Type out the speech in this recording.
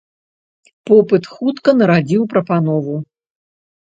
Попыт хутка нарадзіў прапанову.